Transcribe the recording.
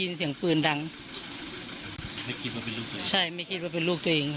เสียงปืนดังไม่คิดว่าเป็นลูกเลยใช่ไม่คิดว่าเป็นลูกตัวเอง